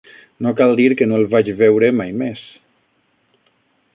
No cal dir que no el vaig veure mai més.